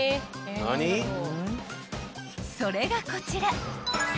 ［それがこちら］